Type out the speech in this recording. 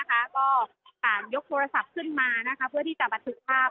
ก็ยกโทรศัพท์ขึ้นมาเพื่อที่จะบันทึกภาพ